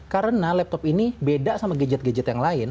karena laptop ini beda sama gadget gadget yang lain